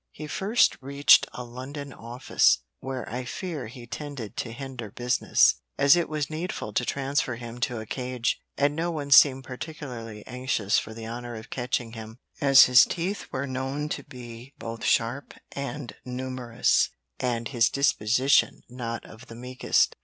He first reached a London office, where I fear he tended to hinder business, as it was needful to transfer him to a cage, and no one seemed particularly anxious for the honour of catching him, as his teeth were known to be both sharp and numerous, and his disposition not of the meekest.